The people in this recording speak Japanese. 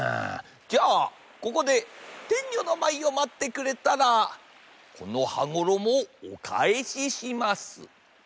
じゃあここでてんにょのまいをまってくれたらこの羽衣をおかえしします。